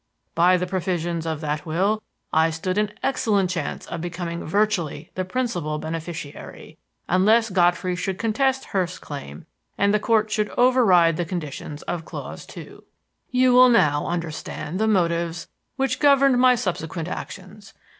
By the provisions of that will I stood an excellent chance of becoming virtually the principal beneficiary, unless Godfrey should contest Hurst's claim and the Court should override the conditions of clause two. "You will now understand the motives which governed my subsequent actions.